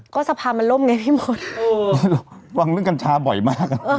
ก็สะพานมันล่มไงพี่มดระวังเรื่องกัญชาบ่อยมากอ่ะ